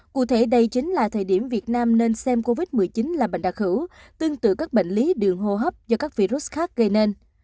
cụ thể đây chính là thời điểm việt nam nên xem covid một mươi chín là bệnh đặc hữu tương tự các bệnh lý đường hô hấp do các virus khác gây nên